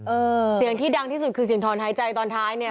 เออเสียงที่ดังที่สุดคือเสียงถอนหายใจตอนท้ายเนี่ย